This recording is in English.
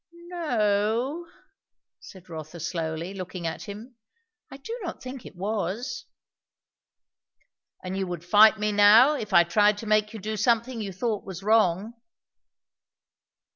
"N o," said Rotha slowly, looking at him, "I do not think it was." "And you would fight me now, if I tried to make you do something you thought was wrong."